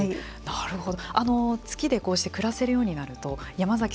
なるほど！